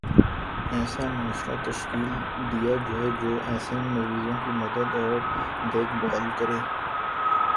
ایسا معاشرہ تشکیل دیا جائےجو ایسے مریضوں کی مدد اور دیکھ بھال کرے